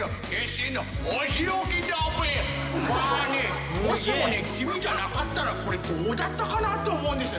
まあねもしもね君じゃなかったらこれどうだったなと思うんですよ